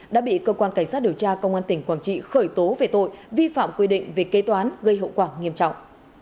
đã bị cơ quan cảnh sát điều tra công an tỉnh quảng trị khởi tố về tội vi phạm quy định về kế toán gây hậu quả nghiêm trọng